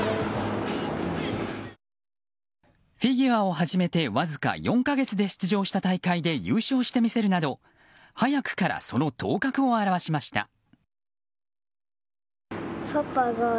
フィギュアを始めてわずか４か月で出場した大会で優勝して見せるなど早くからその頭角を現しました。